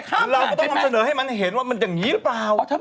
เขาบอกว่าอุ๊ยเดี๋ยว